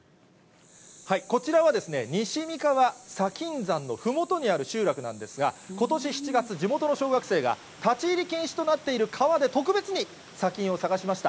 こちらはですね、西三川砂金山のふもとにある集落なんですが、ことし７月、地元の小学生が、立ち入り禁止となっている川で特別に砂金を探しました。